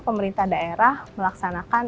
pemerintah daerah melaksanakan